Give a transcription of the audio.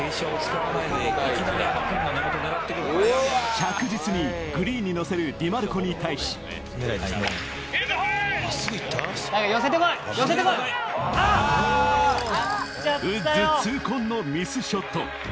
着実にグリーンに乗せるディマルコに対しウッズ痛恨のミスショット。